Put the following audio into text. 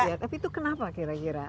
tapi itu kenapa kira kira